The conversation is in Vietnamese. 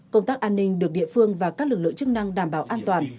công tác an ninh được địa phương và các lực lượng chức năng đảm bảo an toàn